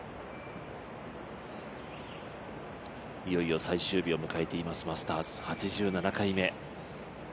いよいよ最終日を迎えていますマスターズ、８７回目。